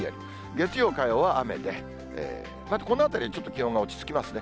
月曜、火曜は雨で、このあたりでちょっと気温が落ち着きますね。